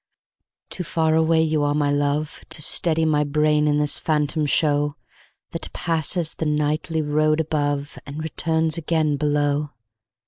..... .Too far away you are, my love, To steady my brain in this phantom showThat passes the nightly road aboveAnd returns again below.